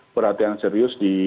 perhatian serius di